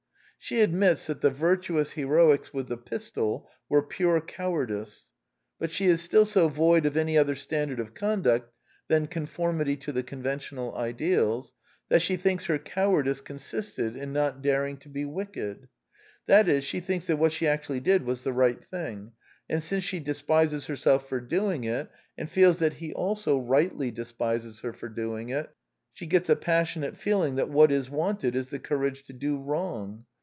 She admits that the vir tuous heroics with the pistol were pure cowardice ; but she is still so void of any other standard of conduct than conformity to the conventional ideals, that she thinks her cowardice consisted in not daring to be wicked. That is, she thinks that what she actually did was the right thing; and since she despises herself for doing it, and feels that he also rightly despises her for doing it, she gets a passionate feeling that what is wanted is the courage to do wrong.